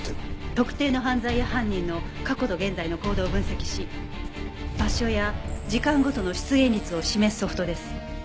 特定の犯罪や犯人の過去と現在の行動を分析し場所や時間ごとの出現率を示すソフトです。